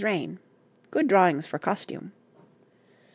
's reign. Good drawings for costume.